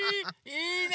いいね！